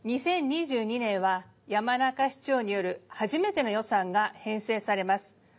２０２２年は山中市長による初めての予算が編成されます。